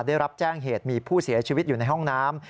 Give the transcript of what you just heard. ได้รับแจ้งเหตุมีผู้เสียชีวิตอยู่ในห้องน้ำ